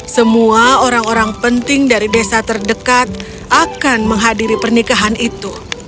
semua orang orang penting dari desa terdekat akan menghadiri pernikahan itu